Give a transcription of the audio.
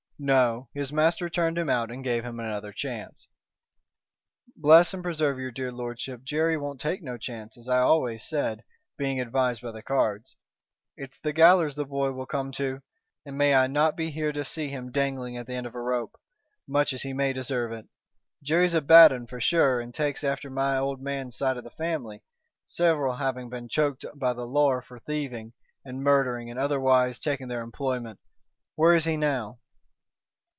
"No, his master turned him out and gave him another chance." "Bless and preserve your dear lordship, Jerry won't take no chance, as I always said, being advised by the cards. It's the gallers that boy will come to, and may I not be here to see him dangling at the end of a rope, much as he may deserve it. Jerry's a bad 'un, for sure, and takes after my old man's side of the family, several having been choked by the lawr for thieving and murdering and otherwise taking their enjoyment. Where is he now?"